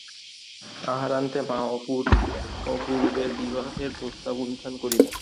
আহারান্তে মা অপূর্বর বিবাহের প্রস্তাব উত্থাপন করিলেন।